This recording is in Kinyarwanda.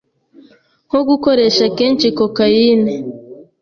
nko gukoresha kenshi cocaine